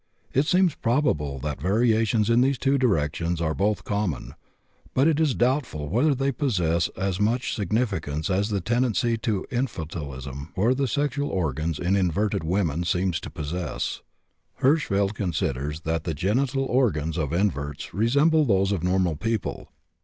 It seems probable that variations in these two directions are both common, but it is doubtful whether they possess as much significance as the tendency to infantilism of the sexual organs in inverted women seems to possess. Hirschfeld considers that the genital organs of inverts resemble those of normal people.